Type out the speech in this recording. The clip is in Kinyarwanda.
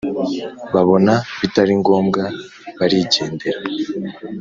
Babona bitaringombwa barigendera